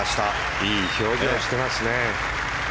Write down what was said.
いい表情してますね。